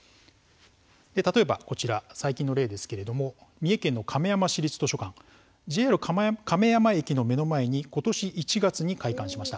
例えばこちら最近の例ですけれども三重県の亀山市立図書館ＪＲ亀山駅の目の前に今年１月に開館しました。